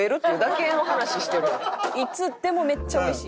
いつでもめっちゃおいしい。